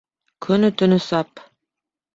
Көнө-төнө сап.